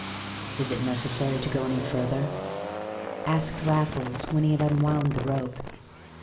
"Is it necessary to go any further?" asked Raffles when he had unwound the rope.